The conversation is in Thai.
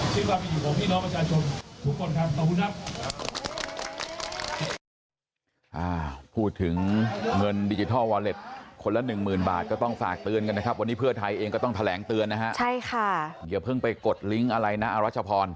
ชิ้นความเป็นอยู่ของพี่น้องประชาชน